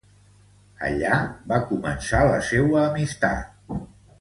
Allà, va començar la seua amistat.